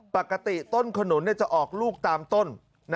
ปกติต้นขนุนจะออกลูกตามต้น